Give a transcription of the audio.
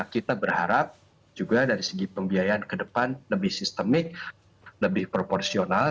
kita berharap juga dari segi pembiayaan ke depan lebih sistemik lebih proporsional